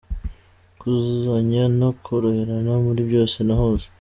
-Kuzuzanya no koroherana muri byose na hose;